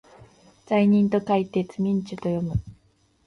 罪人と書いてつみんちゅと読む